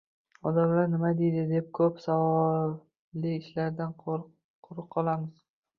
“Odamlar nima deydi?” deb, ko‘p savobli ishlardan quruq qolamiz.